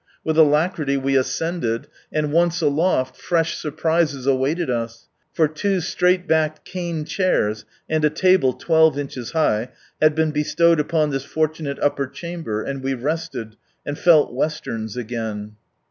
With alacrity we ascended, and once aloft, fresh surprises awaited us, for two siraighlbacked cane chairs, (and a table twelve upon this fortunate upper chamber, and we rested, and felt Westerns again.